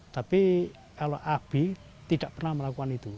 tapi kalau abi tidak pernah melakukan itu